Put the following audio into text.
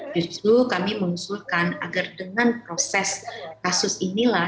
justru kami mengusulkan agar dengan proses kasus inilah